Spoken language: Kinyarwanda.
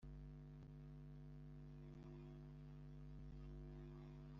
impamvu nuko asigaye abona mfite akanyamuneza nkabura icyo musubiza